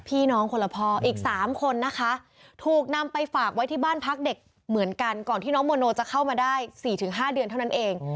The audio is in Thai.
พี่น้องคนละพ่ออีก๓คนนะคะถูกนำไปฝากไว้ที่บ้านพักเด็กเหมือนกันก่อนที่น้องโมโนจะเข้ามาได้๔๕เดือนเท่านั้นเอง